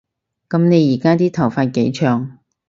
噉你而家啲頭髮幾長